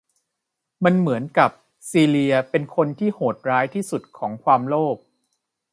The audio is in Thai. มันเหมือนกับซีเลียเป็นคนที่โหดร้ายที่สุดของความโลภ